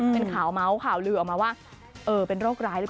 เป็นข่าวเมาส์ข่าวลือออกมาว่าเป็นโรคร้ายหรือเปล่า